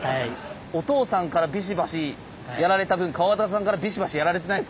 お父さんからビシバシやられた分川端さんからビシバシやられてないですか？